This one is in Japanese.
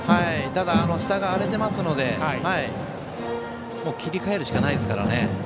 ただ下が荒れてますので切り替えるしかないですからね。